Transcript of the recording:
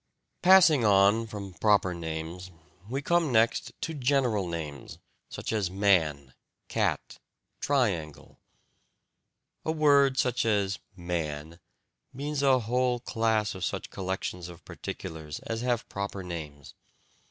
Passing on from proper names, we come next to general names, such as "man," "cat," "triangle." A word such as "man" means a whole class of such collections of particulars as have proper names.